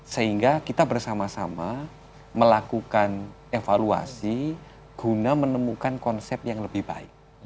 sehingga kita bersama sama melakukan evaluasi guna menemukan konsep yang lebih baik